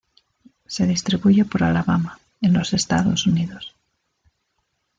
Se distribuye por Alabama en los Estados Unidos.